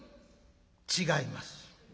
「違います」。